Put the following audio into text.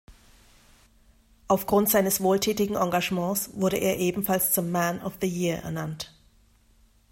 Aufgrund seines wohltätigen Engagements wurde er ebenfalls zum "Man of the Year" ernannt.